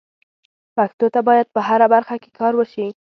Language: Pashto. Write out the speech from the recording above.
پښتو ته باید په هره برخه کې کار وشي.